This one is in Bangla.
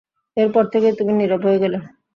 এরপর থেকেই তুমি নীরব হয়ে গেলে।